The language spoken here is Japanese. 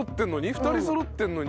２人そろってるのに。